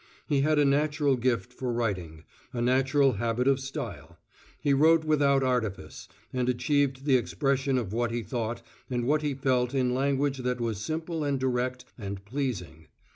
He had a natural gift for writing a natural habit of style; he wrote without artifice, and achieved the expression of what he thought and what he felt in language that was simple and direct and pleasing.